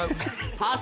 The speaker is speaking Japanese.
パス！